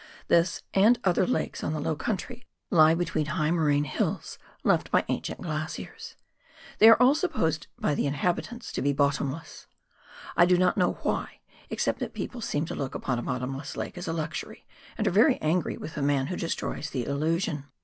This, and other lakes on the low country, lie between high moraine hills left by ancient glaciers. They are all supposed by the inhabitants to be bottomless. I do not know why, except that people seem to look upon a bottomless lake as a luxury, and are very angry with the man who destroys the illusion.